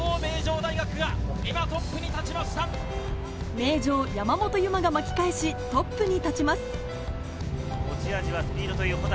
名城・山本有真が巻き返しトップに立ちます。